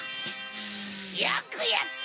よくやった！